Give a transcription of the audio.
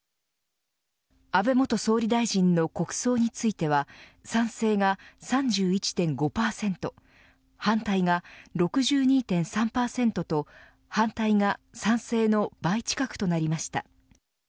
安倍元総理大臣の国葬については賛成が３１．５％反対が６２．３％と反対が賛成の倍近くとなりました。